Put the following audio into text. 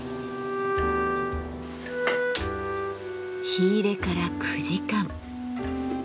火入れから９時間。